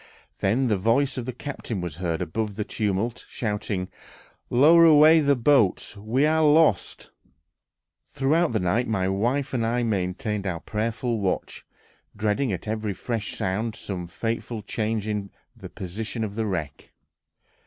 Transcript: Then the voice of the captain was heard above the tumult, shouting, "Lower away the boats! We are lost!"... Throughout the night my wife and I maintained our prayerful watch, dreading at every fresh sound some fatal change in the position of the wreck.